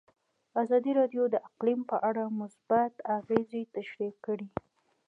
ازادي راډیو د اقلیم په اړه مثبت اغېزې تشریح کړي.